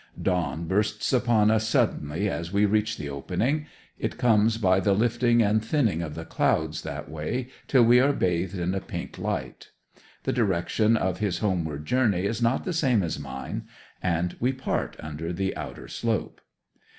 Dawn bursts upon us suddenly as we reach the opening. It comes by the lifting and thinning of the clouds that way till we are bathed in a pink light. The direction of his homeward journey is not the same as mine, and we part under the outer slope.